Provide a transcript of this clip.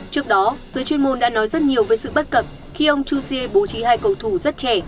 trước đó giới chuyên môn đã nói rất nhiều với sự bất cập khi ông jouzier bố trí hai cầu thủ rất trẻ